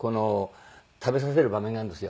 食べさせる場面があるんですよ。